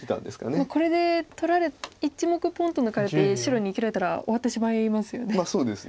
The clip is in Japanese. これで１目ポンと抜かれて白に生きられたら終わってしまいますよね。